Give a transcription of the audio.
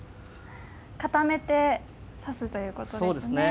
固めて指すということですね。